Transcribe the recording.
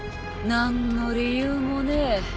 何の理由もねえ